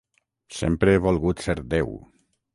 Sempre he volgut ser Déu.